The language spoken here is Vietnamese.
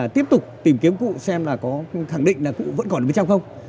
tiếp tục tìm kiếm cụ xem là có khẳng định là cụ vẫn còn bên trong không